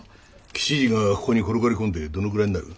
吉次がここに転がり込んでどのぐらいになる？